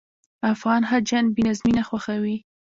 افغان حاجیان بې نظمي نه خوښوي.